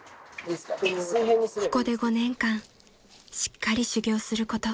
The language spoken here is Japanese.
［ここで５年間しっかり修業すること］